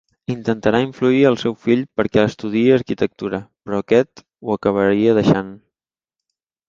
Intentarà influir al seu fill perquè estudiï arquitectura, però aquest ho acabaria deixant.